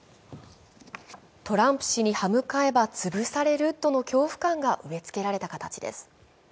トランプ氏に歯向かえば潰されるとの恐怖感が植えつけられた形です。